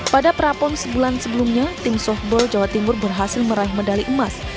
pada prapon sebulan sebelumnya tim softball jawa timur berhasil meraih medali emas